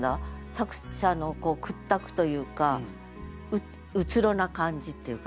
作者の屈託というかうつろな感じっていうかね。